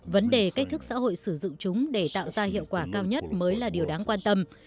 vấn đề cách thức xã hội sử dụng chúng để tạo ra hiệu quả cao nhất mới là điều đáng quan tâm